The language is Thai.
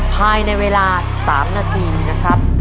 ภายในเวลา๓นาทีนะครับ